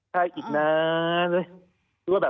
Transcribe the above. ใช่อีกนานเลย